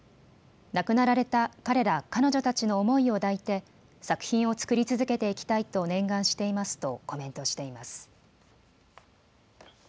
亡くなられた彼ら彼女たちの思いを抱いて作品を作り続けていきたいと念願していますとコメントしています。